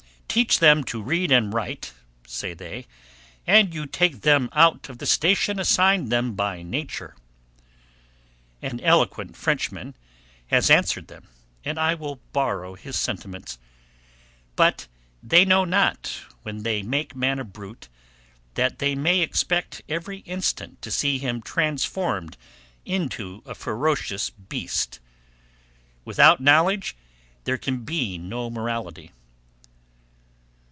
"Teach them to read and write," say they, "and you take them out of the station assigned them by nature." An eloquent Frenchman, has answered them; I will borrow his sentiments. But they know not, when they make man a brute, that they may expect every instant to see him transformed into a ferocious beast. Without knowledge there can be no morality!